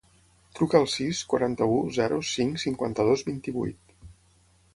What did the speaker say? Truca al sis, quaranta-u, zero, cinc, cinquanta-dos, vint-i-vuit.